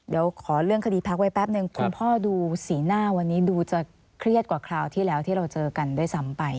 เดี๋ยวขอเรื่องคดีพักไว้แป๊บนึงคุณพ่อดูสีหน้าวันนี้ดูจะเครียดกว่าคราวที่แล้วที่เราเจอกันด้วยซ้ำไป